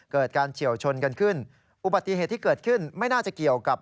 เกิดการเฉียวชนกันขึ้นอุบัติเหตุที่เกิดขึ้นไม่น่าจะเกี่ยวกับ